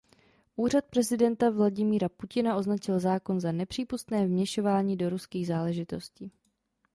Úřad prezidenta Vladimira Putina označil zákon za "„nepřípustné vměšování do ruských záležitostí“".